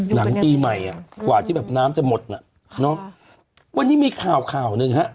หลังปีใหม่กว่าที่น้ำจะหมดวันนี้มีข่าวหนึ่ง